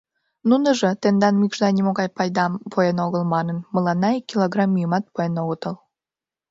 Нуныжо, тендан мӱкшда нимогай пайдам пуэн огыл манын, мыланна ик килограмм мӱйымат пуэн огытыл.